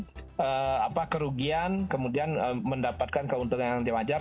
jadi kita bisa mencari kerugian kemudian mendapatkan keuntungan yang diwajar